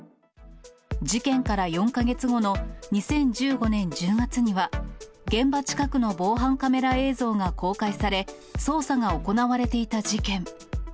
事件から４か月後の２０１５年１０月には、現場近くの防犯カメラ映像が公開され、捜査が行われていた事件。